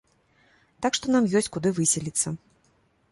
Так што нам ёсць куды выселіцца.